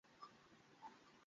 একদিন, সিংহ আক্রান্ত হবে।